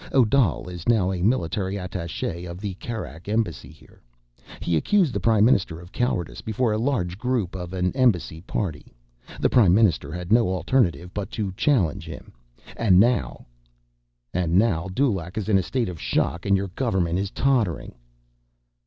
Odal is now a military attaché of the Kerak Embassy here. He accused the Prime Minister of cowardice, before a large group at an Embassy party. The Prime Minister had no alternative but to challenge him. And now—" "And now Dulaq is in a state of shock, and your government is tottering."